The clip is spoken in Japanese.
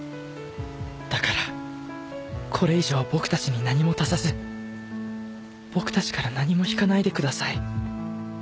だからこれ以上僕たちに何も足さず僕たちから何も引かないでください